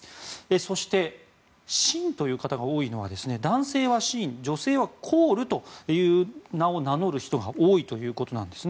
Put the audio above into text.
そして、シンという方が多いのは男性はシン女性はコールという名を名乗る人が多いということなんです。